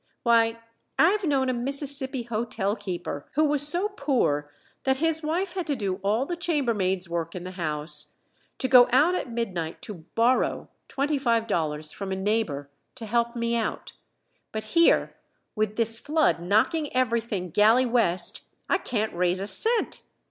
Why, I've known a Mississippi hotelkeeper who was so poor that his wife had to do all the chambermaid's work in the house, to go out at midnight to borrow twenty five dollars from a neighbor to help me out; but here, with this flood knocking everything galley west, I can't raise a cent!"